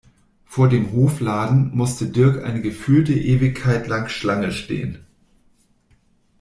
Vor dem Hofladen musste Dirk eine gefühlte Ewigkeit lang Schlange stehen.